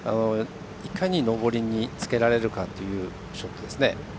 いかに上りにつけられるかというショットです。